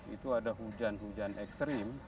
itu ada hujan hujan ekstrim